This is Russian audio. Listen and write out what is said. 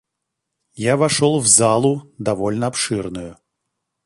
Я вошел в залу довольно обширную.